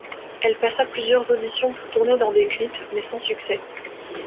Elle passa plusieurs auditions pour tourner dans des clips mais sans succès.